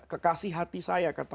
kekasih hati saya